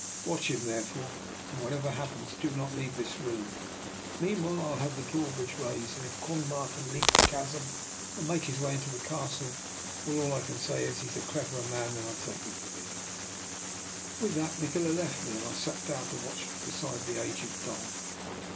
Watch him, therefore, and whatever happens do not leave this room. Meanwhile, I will have the drawbridge raised, and if Quong Ma can leap the chasm, and make his way into the Castle, well, all I can say is, he is a cleverer man than I take him to be." With that, Nikola left me, and I sat down to watch beside the aged Don.